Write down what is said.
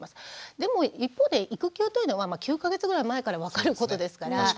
でも一方で育休というのは９か月ぐらい前から分かることですから。